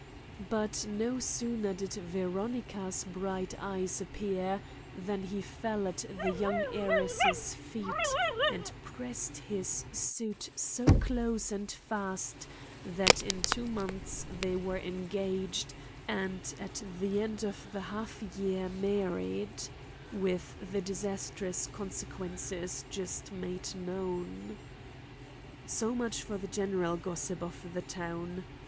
But no sooner did Veronica's bright eyes appear than he fell at the young heiress' feet and pressed his suit so close and fast that in two months they were engaged and at the end of the half year, married—with the disastrous consequences just made known. So much for the general gossip of the town.